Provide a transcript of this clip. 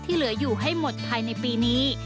ที่เหลืออยู่ให้หมดใข่ในปีนี้